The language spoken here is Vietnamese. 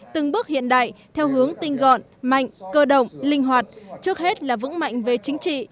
từng bước hiện đại theo hướng tinh gọn mạnh cơ động linh hoạt trước hết là vững mạnh về chính trị